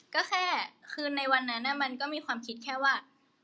ก็แค่คือในวันนั้นมันก็มีความคิดแค่ว่า